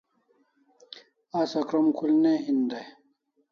Asa krom khul ne hin dai